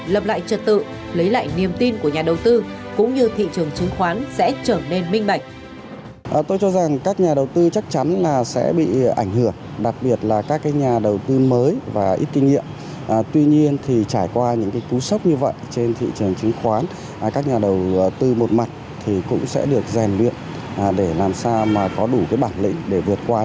lập lại trật tự lấy lại niềm tin của nhà đầu tư cũng như thị trường chứng khoán sẽ trở nên minh mạnh